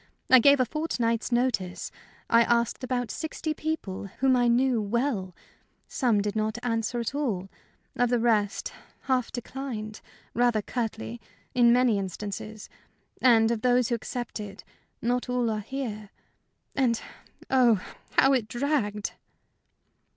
I gave a fortnight's notice; I asked about sixty people, whom I knew well. Some did not answer at all. Of the rest, half declined rather curtly, in many instances. And of those who accepted, not all are here. And, oh, how it dragged!"